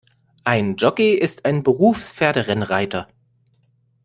Ein Jockey ist ein Berufs-Pferderennreiter.